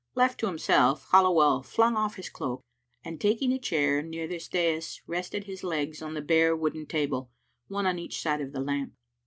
Left to himself, Halliwell flung off his cloak and taking a chair near this dais rested his legs on the bare wooden table, one on each side of the lamp.